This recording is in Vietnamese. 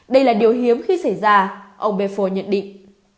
đây là điều hiếm khi xảy ra ông bepho nhận định